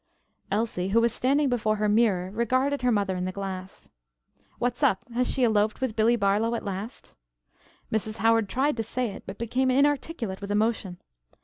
Elsie, who was standing before her mirror, regarded her mother in the glass. "What's up. Has she eloped with Billie Barlow at last?" Mrs. Howard tried to say it, but became inarticulate with emotion.